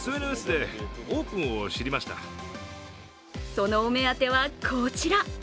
そのお目当ては、こちら。